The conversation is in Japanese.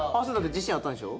自信あったんでしょ？